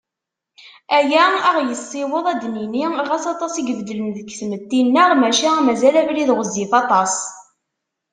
Aya, ad aɣ-yessiweḍ ad d-nini: Ɣas aṭas i ibeddlen deg tmetti-nneɣ, maca mazal abrid ɣezzif aṭas.